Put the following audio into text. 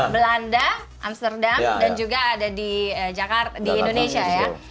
belanda amsterdam dan juga ada di jakarta di indonesia ya